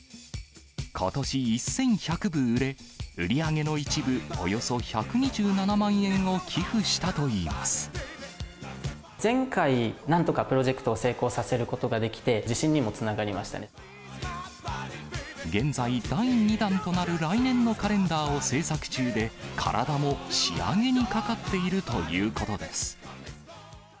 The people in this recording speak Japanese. ことし１１００部売れ、売り上げの一部、およそ１２７万円を寄付前回、なんとかプロジェクトを成功させることができて、自信にもつなが現在、第２弾となる来年のカレンダーを制作中で、体も仕上げにかかっているということです。